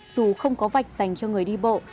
dù không có vạch dành cho người đi bộ